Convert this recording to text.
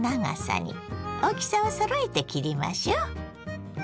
大きさをそろえて切りましょ。